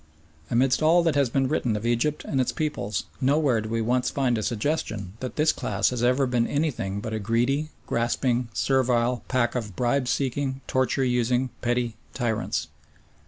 Amidst all that has been written of Egypt and its peoples nowhere do we once find a suggestion that this class has ever been anything but a greedy, grasping, servile pack of bribe seeking, torture using, petty tyrants.